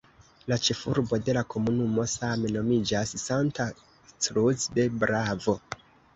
La ĉefurbo de la komunumo same nomiĝas "Santa Cruz de Bravo".